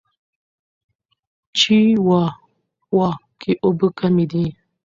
چیواوا کې اوبه کمې دي.